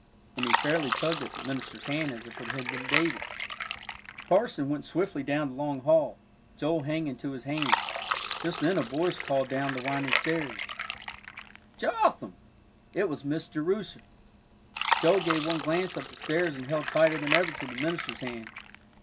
And he fairly tugged at the minister's hand as if it had been David's. The parson went swiftly down the long hall, Joel hanging to his hand. Just then a voice called down the winding stairs, "Jotham! Jotham!" It was Miss Jerusha. Joel gave one glance up the stairs, and held tighter than ever to the minister's hand.